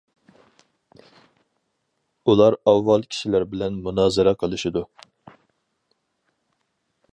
ئۇلار ئاۋۋال كىشىلەر بىلەن مۇنازىرە قىلىشىدۇ.